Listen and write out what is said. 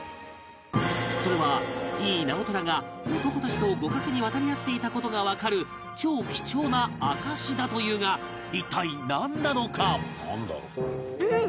それは井伊直虎が男たちと互角に渡り合っていた事がわかる超貴重な証だというが一体なんなのか？